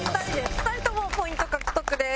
２人ともポイント獲得です。